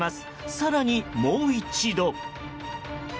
更に、もう一度。